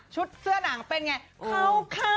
ชุดเสื้อหนังเป็นไงเข้า